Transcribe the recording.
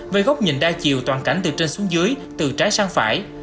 với góc nhìn đa chiều toàn cảnh từ trên xuống dưới từ trái sang phải